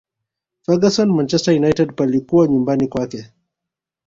ferguson manchester united palikuwa nyumbani kwake